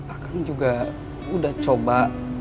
akang juga udah coba